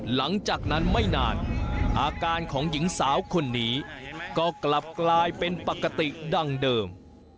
หลังจากนั้นไม่นานอาการของหญิงสาวคนนี้ก็กลับกลายเป็นปกติดังเดิม